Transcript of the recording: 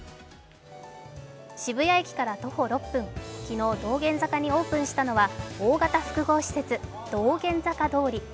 渋谷駅から徒歩６分昨日、道玄坂にオープンしたのは大型複合施設・道玄坂通。